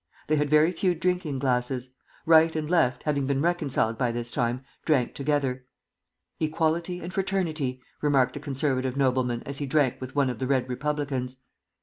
They had very few drinking glasses. Right and Left, having been reconciled by this time, drank together. "Equality and Fraternity!" remarked a conservative nobleman as he drank with one of the Red Republicans.